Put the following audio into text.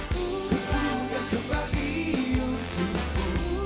kupingan kembali untukmu